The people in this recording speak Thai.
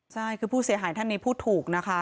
ใช่คือผู้เสียหายท่านนี้พูดถูกนะคะ